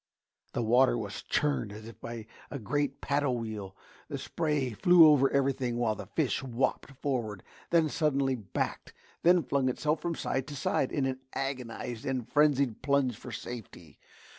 The water was churned as if by a great paddle wheel; the spray flew over everything while the fish whopped forward, then suddenly backed, then flung itself from side to side in an agonised and frenzied plunge for safety.